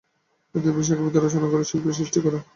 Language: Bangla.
এদের বিষয়ে কবিতা রচনা কর, শিল্প সৃষ্টি কর।